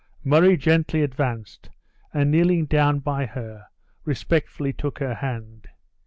Murray gently advanced, and kneeling down by her, respectfully took her hand.